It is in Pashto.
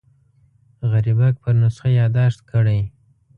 غریبک پر نسخه یاداښت کړی.